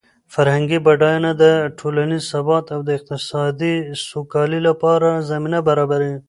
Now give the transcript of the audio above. فرهنګي بډاینه د ټولنیز ثبات او د اقتصادي سوکالۍ لپاره زمینه برابروي.